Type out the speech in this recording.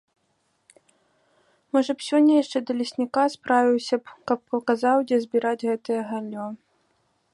Можа б сёння яшчэ да лесніка справіўся б, каб паказаў, дзе збіраць гэтае галлё.